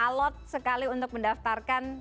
alat sekali untuk mendaftarkan